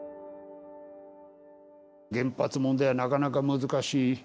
原発問題はなかなか難しい。